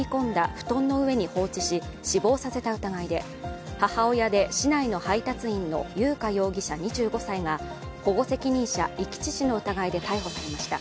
布団の上に放置し死亡させた疑いで、母親で市内の配達員の優花容疑者を保護責任者遺棄致死の疑いで逮捕されました。